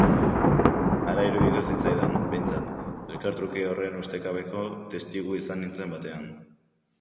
Hala iruditu zitzaidan, behintzat, elkartruke horren ustekabeko testigu izan nintzen batean.